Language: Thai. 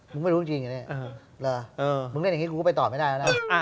ไม่รู้จริงอะเนี่ยมึงเล่นอย่างนี้กูก็ไปต่อไม่ได้แล้วนะ